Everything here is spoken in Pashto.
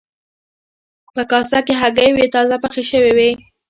په کاسه کې هګۍ وې تازه پخې شوې وې.